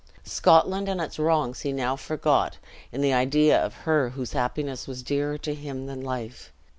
Scotland and its wrongs he now forgot, in the idea of her whose happiness was dearer to him than life.